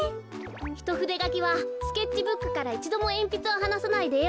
ひとふでがきはスケッチブックからいちどもえんぴつをはなさないでえをかくんですよね。